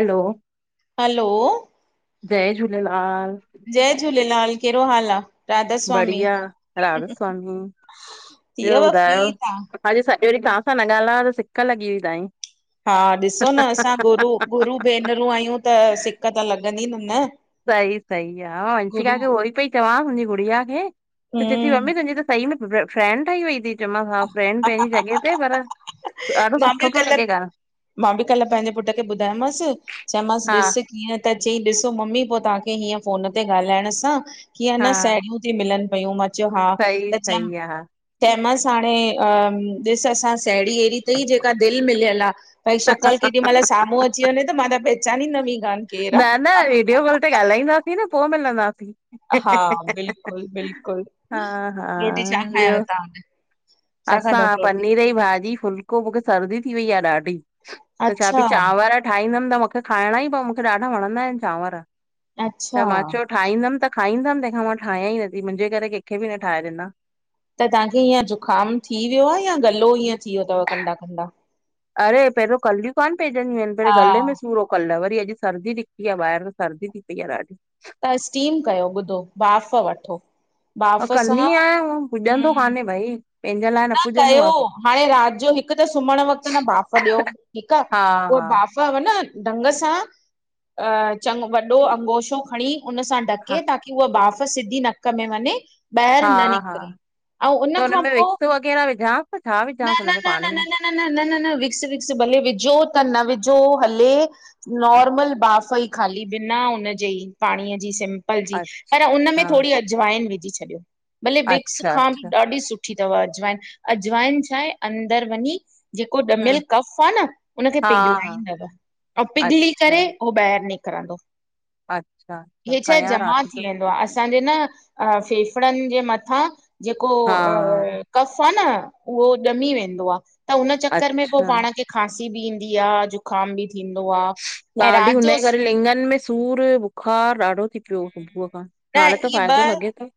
हलो hello जय झूलेलाल जय झूलेलाल, कहिॾो हाल आ? राधा स्वामी बढिया, राधा स्वामी, ॿियो थियव ॿुधायो? फ्री तां? अॼु सॼो ॾिह तव्हां सां न ॻाल्हायो त सिक लॻी हुई ताईं। हा ॾिसो न असां गुरू, गुरू भेनरूं आहियूं त सिक त लॻंदी न, न। सही, सही आ वंशिका गुरू खे उहो ई पेई चवां मुहिंजी गुड़िया खे, त चए थी हम्म मम्मी तुंहिंजी त सही में फ्रेंंड ठही वई थी चयो मास हा फ्रेंंड पंहिंजी जॻह ते पर ॾाढो मां सुठो बि पियो कल, लॻे ॻाल्हि, मां बि कल पंहिंजे पुट खे ॿुधायोमांसि चयोमांसि ॾिस हा हीअं त चईं ॾिसो मम्मी पोइ तव्हांखे हीअं फ़ोन ते ॻाल्हाइण सां कीअं न हा साहेड़ियूं ती मिलनि पियूं मा चयो हा सही त च सही आ, हा चेमसि हाणे अ ॾिस असां साहेड़ी अहिड़ी उते ई जेका दिलि मिलियल आ, भई शिकिल् केॾी महिल साम्हूं अची वञे त मा त प चंदीनवी कान केर आ। हुते ॻाल्हाईंदासीं न पोइ मिलंदासीं। हा, बिल्कुलु, हा बिल्कुलु, हा, रोटी छा ॿियो खायांव तव्हां छा खाधव असां रोटी? पनीर ई भाॼी फुल को मूंखे सर्दी थी वई आ ॾाढी, त छा अच्छा पई चांवर ठाहींदमि त मूंखे खाइणा ई प मूंखे ॾाढा वणंदा आहिनि चांवर, अच्छा त मा चयो ठाहींदमि त खाईंदमि तंहिंखां मा ठाहिय ई नथी मुंहिंजे करे कंहिंखे बि न ठाहे ॾिना त तव्हांखे हीअ ज़ुकामु थी वियो आ या गलो ईअं थी वियो थव कंडा, कंडा। अरे पहिरों कलियूं कान पइंजदियूं आहिनि पर हा गले में सूर हो। कल्ह वरी अॼु सर्दी निकती आ ॿाहिरि, सर्दी थी पई आ ॾाढी। त स्टीम कयो ॿुधो भाफ़ वठो। मा बाफ़ कंदी सां आहियां हु पुॼंदो हम्म कान्हे भई। पंहिंजे लाइ न पुॼंदो कयो आहे कुझु। हाणे राति जो हिकु त सुम्हण वक़्त न भाफ़ ॾियो ठीकु आ, हा उह हा भाफ़ पोइ, न ढंग सां अ चंगो वॾो अंगोशो खणी उन सां हा ढके, ॿा ताकि उहा बाफ़ सिधी नक में वञे ॿाहिरि न हा निकिरे, ऐं उन खां पोइ केरा विझा न, न, न, न, न न, न न, न न, विक्स, विक्स भले विझो त न विझो हले नॉर्मल बाफ ई ख़ाली बिना हुनजे ई पाणीअ जी सिम पल जी अच्छा पर उन में थोरी अजवाइन विझी छॾियो भले विक्स अच्छा खां बि अच्छा ॾाढी सुठ ठी थव अजवाइन, अजवाइन छा आहे अंदरि वञी जेको हम्म ॼमियल कफ आ न उनखे हा हा पिघलाईंदव ऐं पिघली अच्छा करे उह ॿाहर निकरंदो अच्छा अच्छा हे छाए कयां जमा राति जो थी वेंदो आहे असांजे न अ फेफड़न जे मथां जेको हा अ कफ़ आ न उहो ॼमी वेंदो आह त उन चकर में अच्छा पाण खे खांसी बि ईंदी आह जुकाम बि थींदो आह ऐं रात जो लिंगन में सूर बुखार ॾाढो थी पियो सुबुह खां न हाणे त इहे फ़ाइदो ॿ लॻे तो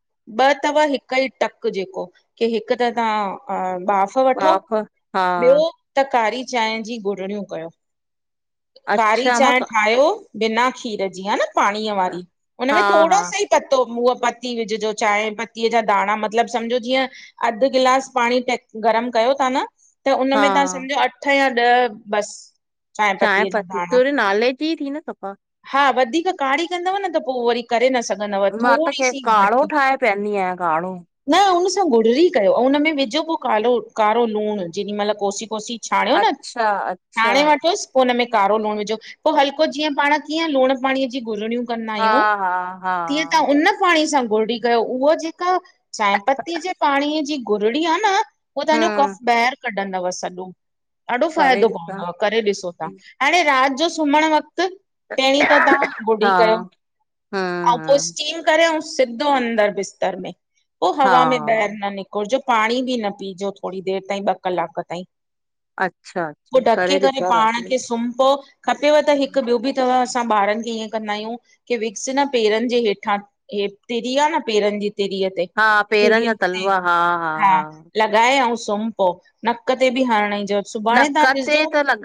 ॿ तव हिक ई टक जेको के हिक त तव्हां बाफ़ वठो हा। ॿियो त कारी चांहि जी गुरड़ियूं कयो। कारी अच्छा मां चांहि क- ठायो बिना खीर जीह न पाणीअ वारी हुनन हा में हा थोड़ो सो ही पतो उअ पती विझजो चाहि पत्तीअ जा दाणा मतिलब समझो जीअं अध गिलास पाणी त गरम कयो ता न त हा उनम में तव्हां समझो अठ या ॾह बस चाय चांहि पत्ती ततुर नाले जी थी न सफ़ा? हा वधीक कारी कंदव न त पो वरी करे न सघंदव थोरी सी घट उो ठाहे पहदी आय काड़ो न हुनन सां गुररी कयो अऊं उन में विझो पो कारो कारो लूण जेॾी महिल कोसी कोसी छाणियो न अच्छा अच्छा छाणे वठोस पो हुन में कारो लूण विझो पो हल्को जीअं पाण कीअं लूण पाणीअ जी घुरणियूं कंदा हा आहियूं हा हा तीअं तव्हां उन पाणी सां घुरड़ी कयो उहा जेका चहिपतीअ जे पाणीअ जी घुरड़ी आह न पो तव्हांजो हम्म कफ ॿाहिर कढंदव सॼो ॾाढो करे फ़ाइदो ॾिसां पवंदव करे ॾिसो तव्हां। हाणे रात जो सुम्हण वक़्त पहरीं त तव्हां हा गुडी कयो ऐं हम्म पो हम्म स्टीम करेऊ सिधो अंदर बिस्तर में उ हवा में हा बैहिर न निक घुरजो पाणी बि न पीजो थोरी देर ताईं ॿ कलाक ताईं। अच्छा अच्छा करे ॾिसां रात जो सुंपो पव खपेय त हिक ॿियो बि तव असां ॿारन खे ईअं कंदा आहियूं की विक्स न पेरन जे हेठां हे तिरी आह न पेरन जी तिरीअ ते हा पेरन तिरीअ जा ते तलवा हा हा हा लॻाए अऊं सुम पो नक ते बि हण जो सुभाणे नक तव्हां ते ॾिसजो त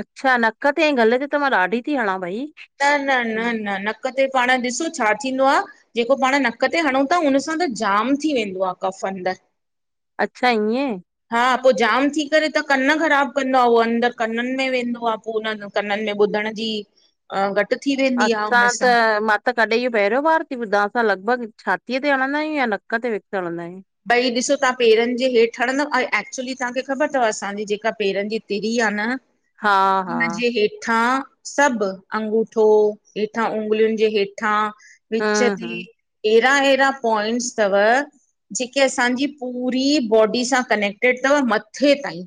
अच्छा नक ते गले ते त मा ॾाढी थी हणा भई। न न न न नक ते पाण ॾिसो छा थींदो आह जेको पाण नक ते हणूं ता हुन सां त जाम थी वेंदो आह कफ अंदर। अच्छा इएं। हा पो जाम थी करे त कन ख़राब कंदो आह उहो अंदर कनन में वेंदो आह पो हुन जो कनन में ॿुधण जी अ घट थी वई असां त म त कॾहिं इहो पहरियों बार थी ॿुधां असां लॻभॻ छ छातीअ ते हणदायूं या नक ते विक्स हला आहियूं। भई ॾिसो तव्हां पेरन जे हेठि हणंदव ऐं एक्चुली तव्हांखे ख़बर अथव असांजी जेका पेरन जी तिरी आहे न हा हा हुनजे हेठ हेठां सभ अंगूठो हेठां उंगलियुन जे हेठां विच हम्म ते हम्म एड़ा एड़ा पॉइंट्स तव जेके असांजी पूरी बॉडी सां कनेक्टेड थव मथे ताईं।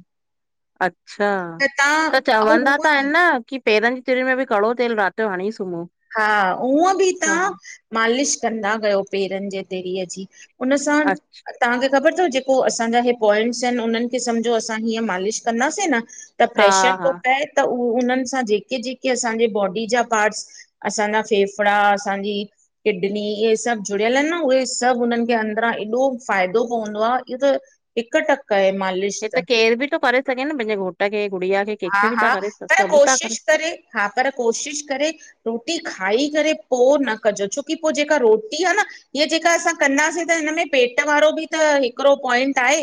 अच्छा त तव्हां त ऐं चवंदा हूअं त आहिनि न की पेरनि जी तुरीयुनि में बि कड़ो तेल राति जो हणी सुमो। हा उऊअं बि तव्हां मालिश कंदा कयो पेरनि जे तिरिय जी हुनन सां अच्छा तव्हांखे ख़बर अथ जेको असांजा ह पॉइंट्स आहिनि उन्हनि खे समझो असां हीअं मालिश कंदासीं न त हा प्रेशर थो हा पए त उह उन्हनि सां जेके जेके असांजे बॉडी जा पार्ट्स असांजा फेफड़ा असांजी किडनी इहे सभु जुड़ियल आहिनि न उहे सभु उननि खे अंदरां हेॾो फ़ाइदो पवंदो आहे इहो त हिक टक आहे मालिश त। केर बि तो करे। करे छॾयां पंहिंजे घोट खे गुड़ीया खे हा कंहिंखे बि था हा करे पर सभु था कोशिशि करे हा पर कोशिशि करे। रोटी खाई करे पो न कजो छोकी पोइ जेका रोटी आहे न हीअ जेका असां कंदासीं त हिन में पेट वारो बि त हिकिड़ो पॉइंट आहे।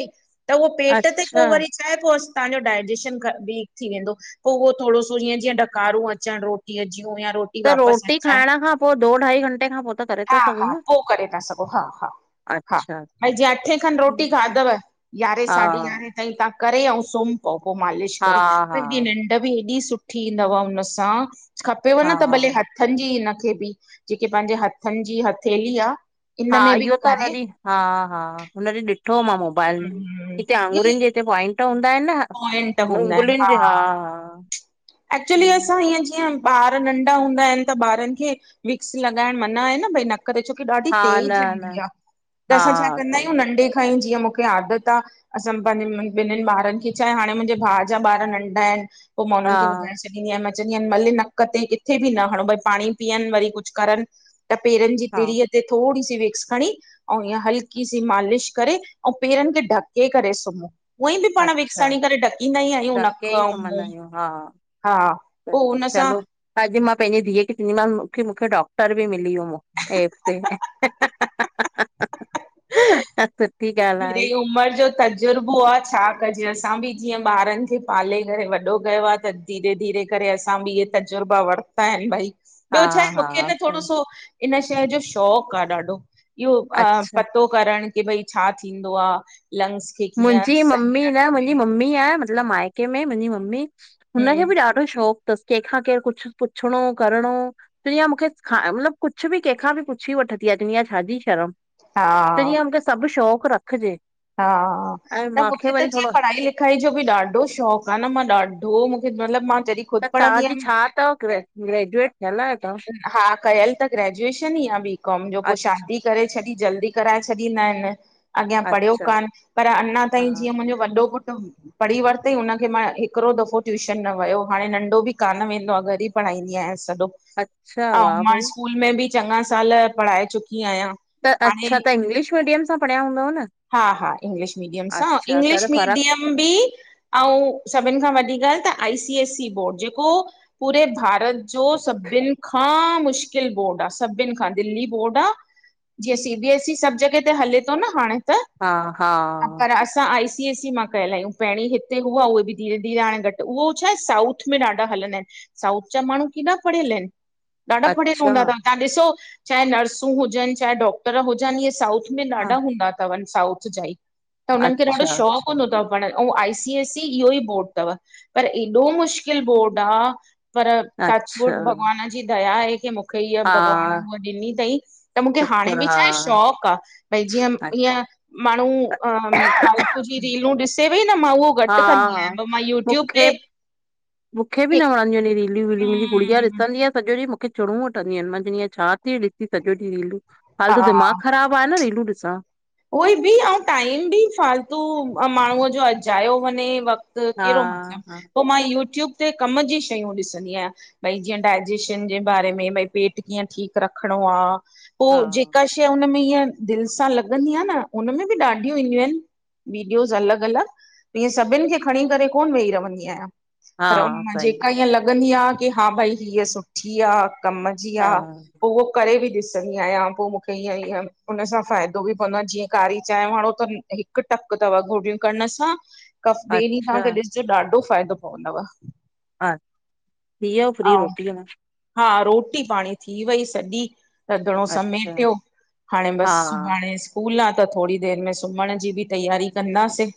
त उहो पेट ते अच्छा पोइ वरी छाहे पोइ तव्हांजो डाइजेशन [unintelligible] थी वेंदो पो उहो थोरो सो जीअं जीअं डकारूं अचनि रोटीअ जूं या रोट [unintelligible] त वापसि रोटी खाइण अचणु खां पोइ दो ढाई घंटे खां पोइ त करे था हा सघूं हा न पो करे था सघो हा हा हा अच्छा भई जीअं अठे खनि रोटी ठीकु खाधव यारहें आहे साढी यारहें ताईं तव्हां करे ऐं सुम पोव पोइ मालिश हा करे। हा हेॾी हा निंड बि हेॾी सुठी ईदव हुन सां खपेव न त भले ह हा हथनि जी हिनखे बि जेके पंहिंजे हथनि जी हथेली आह। हा इहो त हुन ॾींहुं हा हा हुन ॾीहु ॾिठो मा मोबाइल हिते आंगुरनि जे हिते पॉइंट हूंदा आहिनि न। पोवाइंट हूंदा आहिनि उंगलियुनि जे हा हा एक्चुली असां हअं जीअं ॿार नंढा हूंदा आहिनि। त ॿारनि खे विक्स लॻाइण मना आहे न। भई न करे छो की ॾाढी हा न तेज न हूंदी आहे त हा असां छा कंदा आहियूं सही नढ़े कान ही जीअं मूंखे आदत आहे असां पंहिंजे नि ॿारनि खे चाहे हाणे मुंहिंजे भाउ जा ॿार नंढा आहिनि पोइ मा हुननि हा खे ॿुधाए स ॾींदी आहिनि मा चंदीय आहिनि मले नक ते किथे बि न हणो भई पाणी पीअण वरी कुझु करनि त पेरनि जी हा तरीअ ते थोरी सी विक्स खणी अउ ईअं हल्की सी मालिश करे। ऐं पेरनि खे ढके करे सुमो। उअई बि पाण अच्छा सणी करे ढकींदा ई आहियूं। नक धके ई ऐं सुम्हंदा मुह आहियूं हा पोइ हुन सां त अॼु मां पंहिंजी धीउ खे चवंदीमांनि, मूंखे मूंखे डॉक्टर बि मिली वियो। ऐप ते। ॻाल्हि आहे मेरयी उमिरि जो तजुर्बो आ छा कजे? असां बि जीअं ॿारनि खे पाले करे वॾो कयो आह। त धीरे धीरे करे असां बि इहे तजुर्बा वर्ता आहिनि भाई, हा ॿियो छाहे मूंखे हा न थोरो सही सो इन शइ जो शौक़ु आह, ॾाढो इहो अ अच्छा पतो करणु की भई छा थींदो आह। लंग्स खे कीअं मुंहिंजी ममी सही न रखबे मुंहिंजी मम्मी आह, मतिलबु माइके में मुंहिंजी मम्मी हूं हुनखे बि ॾाढो शौक़ु थसि कंहिंखां केरु कुझु पुछणो करिणो दुनिया मूंखे मतलबु कुझु बि कंहिंखां बि पुछी वठंदी आह, दुनिया छाजी शर्म। हा त जींय हुनखे खे सब शौक़ रखजे। हा न मूंखे त जीअं पढ़ाई खाई जो बि ॾाढो शौक़ु आह, न मां ॾाढो मूंखे मतिलब मां जॾी त तव्हांजी छा तव? ग्रे ग्रेजुएट थियल तव्हां हा कयल त ग्रेजुएशन ई आ बी कॉम जो पो अ शादी करे छॾी, जल्दी कराए छॾींदा ईन। अॻियां पढ़ियो अच्छा कान, पर अञा ताईं हा जीअं मुंहिंजो वॾो पुटु पढ़ी वरितईं, हुनखे मां हिकिड़ो दफ़ो ट्यूशन न वियो हाणे नंढो बि कान वेंदो आ घर ई पढ़ाईंदीयांस सॼो। अच्छा! आउ वाह मां भई स्कूल में बि चङा साल पढ़ाए चुकी आहियां। त हाणे अच्छा, तां इंग्लिश मीडियम सां पढ़िया हूंदव न? हा हा इंग्लिश मीडियम सां अच्छा त इंग्लिश त फ़र्क़ु मीडियम बि अउं सभिनि खां वॾी ॻाल्हि त I C S E board, जेको पूरे भारत जो सभिनि खां मुश्किल बोर्ड आ, सभिनि खां दिल्ली बोर्ड आ। जीअं सी बीएस ई सभ जॻह ते हले तो न हाणे। हा हा पर त असां आई सी एस ई मां कयल आहियूं, पहिरीं हिते हुआ उहे बि धीरे धीरे हाणे घटि उहो छाहे साउथ में ॾाढा हलंदा आहिनि। साउथ जा माण्हू केॾा पढ़ियल आहिनि। ॾाढा पढ़ियल अच्छा हूंदा तव, तव्हां ॾिसो चाहे नर्सूं हुजनि चाहे डॉक्टर हुजनि इहे साउथ में ॾाढा हा हूंदा तव साउथ जा ई त हुननि खे ॾाढो अच्छा शौंक़ु अच्छा हूंदो तव पढ़ अउं आईसी एस ई इहो ई बोर्ड तव, पर एॾो मुश्किलु बोर्ड आ पर टचवुढ अच्छा भॻवान जी दया आहे, की मूंखे इअ हा भॻवान हूअ ॾिनी तईं त मूंखे हाणे शुखुर बि हा छाहे शौक़ु आ, भई जीअं अच्छा ईअं माण्हू अ फालतू जी रीलूं ॾिसे वेई न मां उह हा घटि कंदी हा आहियां, पर मां यूट्यूब मूंखे ते मूंखे बि न वणंदियूंइन रीलू वीलू, मुंहिंजी गुड़िया ॾिसंदी आ सॼो ॾींहुं मूंखे चीणूं वठंदी आहिनि, मांंचवंदीयां छा ती ॾिसी सॼो ॾीहु रीलूं फ़ालतू दिमाग़ ख़राबु आ न रीलूं ॾिसण। ओइ बि अउं टाइम बि फालतू माण्हूअ जो अजायो वञे वक़्त त हा कहिड़ो मतिलबु? हा पो मां यूट्यूब ते कम जी शयूं ॾिसंदी आहियां। भई जीअं डायजेशन जे बारे में, भई पेट कीअं ठीकु रखिणो आ? पो हा जेका शइ हुनमें ईअं दिलि सां लॻंदी आ न, उनमें बि ॾाढियूं ईंदियूं आहिनि। वीडियोस अलॻि अलॻि ईअं सभिनि खे खणी करे कोन वेही रवंदी आहियां। पर हुन हा मां सही जेका ईअं लॻंदी आ, की हा भई हीअ सुठी आ कमु जी हा आ पो उह करे बि ॾिसंदी आहियां, पो मूंखे ईअं ईअं उन सां फ़ाइदो बि जीअं कारी चांहि वारणो त हिकु टक तव गोरियूं करण सां कफ ॿिए ॾींहुं अच्छा खां त ॾिसजो ॾाढो फ़ाइदो पवंदव। हा थी व्यय फ्री ऐं रोटी मां? हा, रोटी पाणी थी वई सॼी। रधिणो अच्छा समेटियो हाणे हा बसि सुभाणे स्कूल आ त थोड़ी देरि में सुमहण जी बि तैयारी कंदासि।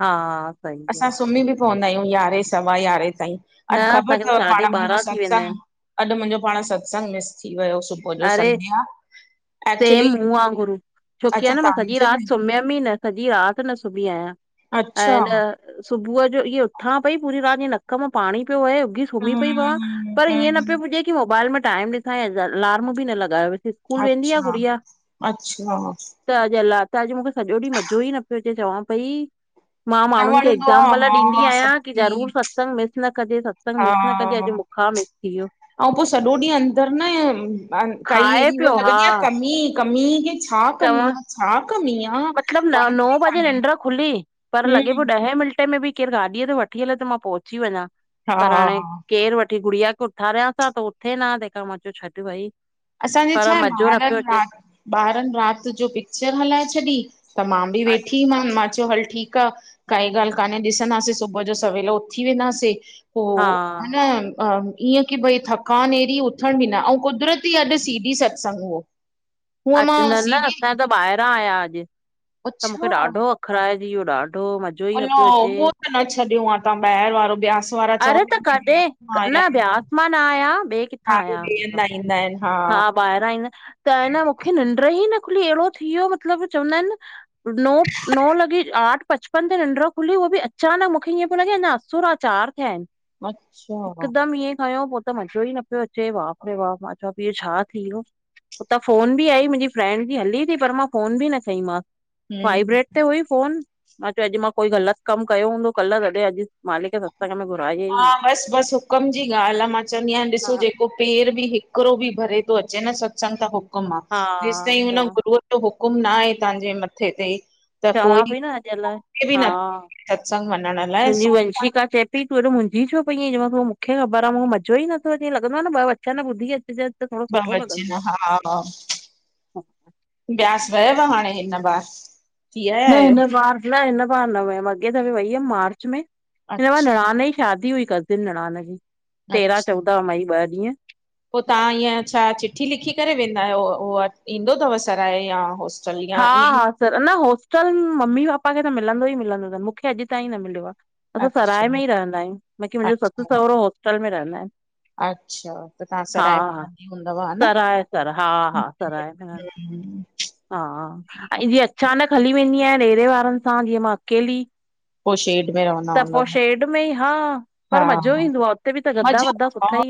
हा सही असां आहे सुम्ही बि पवंदा आहियूं, यारहें सवा यारहें ताईं। न अॼु ख़बर असांखे त तव साढी पाण मुंहिंजो ॿारहां थी वेंदा आहिनि सत्संग, अॼु मुंहिंजो पाण सत्संग मिस थी वियो सुबु अरे सेम मूं वांगुरु छोकी आ अच्छा न मां सॼी तव्हांजो राति बि सुम्हियमि ई न सॼी राति न सुम्ही आहियां, अच्छा ऐं न सुबुह जो इय उथां पई पूरी राति जी नक मा पाणी पियो वहे उघी सुम्ही पई पवां हम्म पर ईअं न पियो हम्म पुॼे की मोबाइल में टाइम ॾिसां या अलार्म बि न लॻायोसि। अच्छा अच्छा त अॼु अला, त अॼु मुखे सॼो ॾींहुं मज़ो ई न पियो अचे चवां पई मा न माण्हुनि खे वणंदो आहे एग्ज़ाम्पल ॾींदी हा आहियां की सच्ची ज़रूर सां सत्संग मिस न कजे सत्संग मिस न कजे अॼु मूंखां मिस थी वियो। अऊं पो सॼो ॾींहुं अंदर न काई खाए अहिड़ी हूअ पियो न हा लॻंदी आ कमी कमी छा कमी चवां आ छा कमी आ, मतलब न नौ वणंदी ई बजे कान्हे। निंड खुली पर लॻे पयो हम्म ॾहें मिंटे में भी। केर गाॾीअ ते वठी हले त मां पोहुची वञा, पर हाणे हा केरु वठी गुड़िया खे उथारियांस आ त उथे न हा, तहिखां मा चयो छॾ भई। असांजे पर छा आहे, [unintelligible] मज़ो न ॿार पियो इन। अचे ॿारनि राति जो पिक्चर हलाए छॾी, त मा बि अ- वेठी मान मां चयो हल ठीकु आ, काई ॻाल्हि कोान्हे ॾिसंदासे सुबुह जो सवेल उथी वेंदासे। हा पोइ हन ईअं कि भई थकान अहिड़ी उथण बि न ऐं कुदिरत दी अॼु सी डी सतसंग हो, हूअं अच मा न सी न डी असां त ॿाहिरां आया अॼु, त मुखे ॾाढो अख़राइंजी वयो ॾाढो मज़ो ई न अला, पियो अचे हुओ त न छॾियो आ तां ॿाहिरि वारो बयासि वारा अरे त कॾहिं क्वंदा [unintelligible] न ब्यास आहिन मां न आया ॿिए किथां ॿि आया हंधा ईंदा आहिनि हा ॿाहिरां ईंदा आहिन, त न मुखे निंड ई न खुली अहिड़ो थी वियो मतिलबु, चवंदा आहिनि नो नौ लॾे आठ पचिप पंज नंढड़ो खुली उहो बि अचानक मुखे ईअं पियो लॻे अञा असुर आ, चारि थिया आहिनि। अच्छा हिकदम इएंं खंयों पोइ त मज़ो ई न पियो अचे बाप रे बाप त बि इहो छा थी वियो? हुतां फोन बि आई मुंहिंजी फ्रेंड बि हलीं थी पर मां फोन बि न खईं मांस। हम्म वाइब्रेड ते हुई फ़ोन, मां चयो अॼु मां कोई ग़लति कमु कयो हूंदो कल तॾहिं अॼु मालिक सत्संग में घुरायई हा, ई न बसि बसि हुकम जी ॻाल्हि आ मां चवंदी आयां ॾिसो हा जे पो पेर बि हिकिड़ो भी भरे थो अचे न सतसंग त हुकम आ, हा जेसि ताईं हुन चवां गुरुअ हुकुम न आहे तांजे मथे ते त कोई चवां पई न अॼु अलाए बि [unintelligible] सत्संग वञण लाइ सो रीशिका चेए ती तू ऐॾो मुंझ ईऐं छो पई ऐं चयोमांस, मुखे ख़बर आ मज़ो ई नथो अ जीअं लॻंदो आ न ॿ वचन ॿुधी अचिजनि। ॿ वचन, हा हा हा, ब्यास वयव हाणे हिन बार थी आया न आहियो हिन बार, न हिन बार न वयमि अॻे दफे वई हुयमि मार्च में। हिन बार अच्छा निणान जी शादी हुई कजिंन निणान जी तेरहं अच्छा चौदा मई, ॿ ॾींहं। पोइ तां ईअं, छा चिठी लिखी करे वेंदा आहियो, उहो ईंदो ॾींदो तव सराए या होस हा हा सर न होस्टल मम्मी पापा खे त मिलंदो ई मिलंदो तनि, मुखे अॼु ताईं न मिलियो आ। असां सराए में अच्छा ई रहंदा आहियूं, बाक़ी मुंहिंजो ससु अच्छा सहुरो होस्टल में रहंदा आहिनि। अच्छा, त तां हा सराय में हा नंढी हूंदव हा न? सराय सर हा हा सराय में [unintelligible] हा, ऐं जीअं अचानक हली वेंदी आहियां ॾेरे वारनि सां जीअं मा अकेली पोइ शेड में रवन्दी। त पोइ शेड में ई हा, पर मज़ो ईंदो आ, उते बि त गदा ॿदा मज़ो सुठा ई आहिनि।